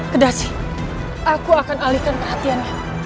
kedasi aku akan alihkan perhatianku